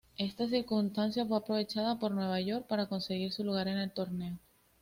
Esta circunstancia fue aprovechada por Nueva York para conseguir su lugar en el torneo.